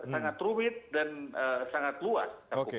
sangat rumit dan sangat luas